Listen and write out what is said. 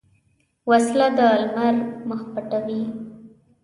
وسله د لمر مخ پټوي